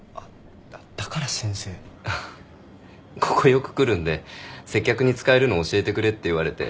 だから「先生」ここよく来るんで接客に使えるの教えてくれって言われて。